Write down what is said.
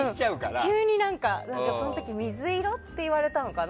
急にその時、水色って言われたのかな。